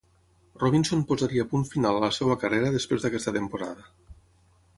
Robinson posaria punt final a la seva carrera després d'aquesta temporada.